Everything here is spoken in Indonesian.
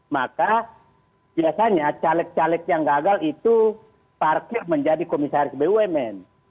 maka biasanya caleg caleg yang gagal itu parkir menjadi komisaris bumn